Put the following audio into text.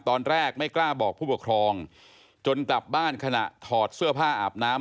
ตอนแรกไม่กล้าบอกผู้ปกครองจนกลับบ้านขณะถอดเสื้อผ้าอาบน้ำ